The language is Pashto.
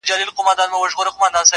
ځیني وي چي یې په سر کي بغاوت وي -